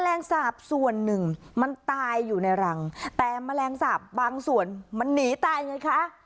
แรงสาบส่วนหนึ่งมันตายอยู่ในรังแต่แมลงสาปบางส่วนมันหนีตายไงคะ